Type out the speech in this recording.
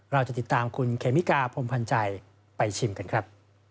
เราจะติดตามคุณเคมิกาพรมพันธ์ใจไปชิมกันครับ